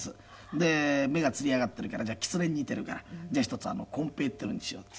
で目がつり上がってるから「じゃあキツネに似てるからじゃあひとつこん平っていうのにしよう」って。